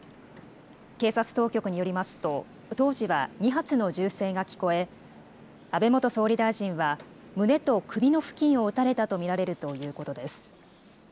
警察当局によりますと、当時は２発の銃声が聞こえ、安倍元総理大臣は、胸と首の付近を撃たれたと見られるということです。